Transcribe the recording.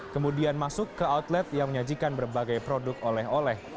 kemudian masuk ke outlet yang menyajikan berbagai produk oleh oleh